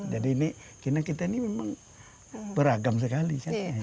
jadi ini kita ini memang beragam sekali